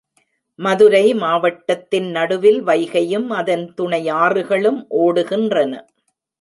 மதுரை மாவட்டத்தின் நடுவில் வைகையும், அதன் துணையாறுகளும் ஓடுகின்றன.